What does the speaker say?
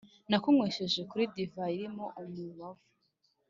Nakunywesheje kuri divayi irimo umubavu,